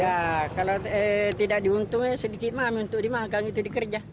ya kalau tidak diuntung ya sedikit mahal untuk dimakang itu dikerja